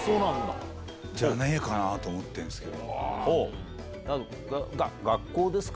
じゃねえかな？と思ってるんすけど。